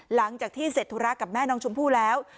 หลังจากที่เสร็จธุระกับแม่น้องชมพู่แล้ว